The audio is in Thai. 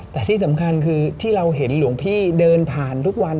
แต่ที่สำคัญคือที่เราเห็นหลวงพี่เดินผ่านทุกวัน